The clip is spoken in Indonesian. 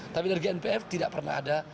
tapi di ngnpf tidak pernah ada